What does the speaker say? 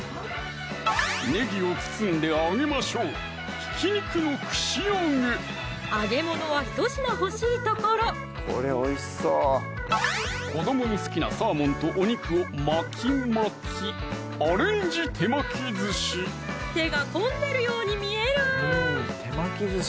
ねぎを包んで揚げましょう揚げ物はひと品欲しいところ子どもの好きなサーモンとお肉を巻き巻き手が込んでるように見える！